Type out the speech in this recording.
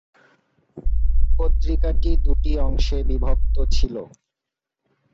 পত্রিকাটি দুটি অংশে বিভক্ত ছিল।